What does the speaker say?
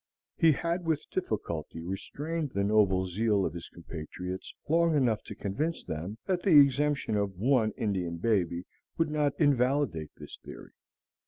He had with difficulty restrained the noble zeal of his compatriots long enough to convince them that the exemption of one Indian baby would not invalidate this theory.